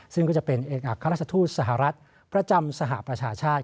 ซึ่งก็จะเป็นเอกอัครราชทูตสหรัฐประจำสหประชาชาติ